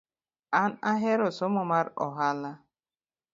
An ahero somo mar ohala